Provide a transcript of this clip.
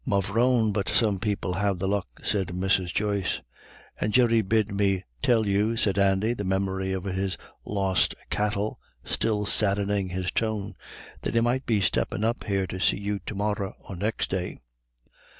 "Mavrone, but some people have the luck," said Mrs. Joyce. "And Jerry bid me tell you," said Andy, the memory of his lost cattle still saddening his tone, "that he might be steppin' up here to see you to morra or next day."